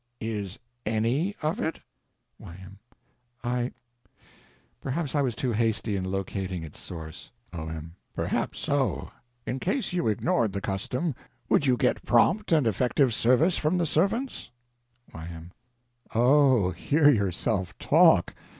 Is any of it? Y.M. I—perhaps I was too hasty in locating its source. O.M. Perhaps so. In case you ignored the custom would you get prompt and effective service from the servants? Y.M. Oh, hear yourself talk!